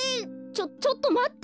ちょちょっとまって。